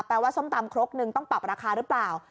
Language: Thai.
ว่าส้มตำครกนึงต้องปรับราคาหรือเปล่า